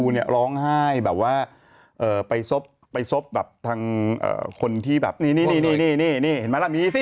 โดนตี